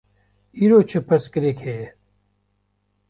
Îro çi pirsgirêk heye?